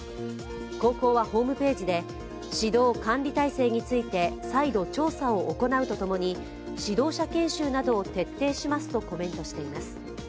高校はホームページで指導・管理体制について再度調査を行うとともに、指導者研修などを徹底しますとコメントしています。